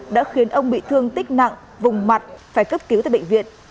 đã khiến ông bị thương tích nặng vùng mặt phải cấp cứu tại bệnh viện